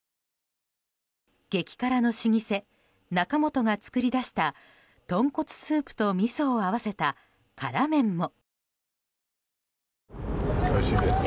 激辛の老舗・中本が作り出した豚骨スープとみそを合わせた辛麺も。